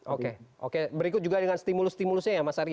oke oke berikut juga dengan stimulus stimulusnya ya mas arya